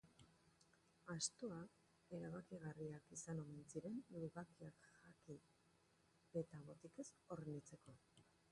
Astoak erabakigarriak izan omen ziren lubakiak jaki eta botikez hornitzeko.